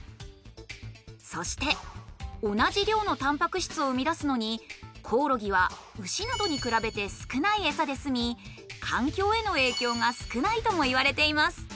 そして同じ量のタンパク質を生み出すのにコオロギは牛などに比べて少ないエサですみ環境への影響が少ないともいわれています。